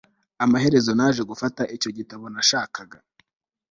amaherezo naje gufata icyo gitabo nashakaga